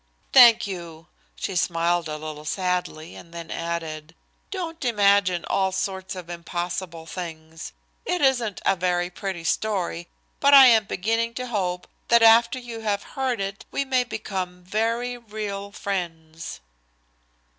"Thank you." She smiled a little sadly, and then added: "Don't imagine all sorts of impossible things. It isn't a very pretty story, but I am beginning to hope that after you have heard it we may become very real friends."